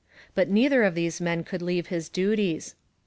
But neither of these men could leave his duties.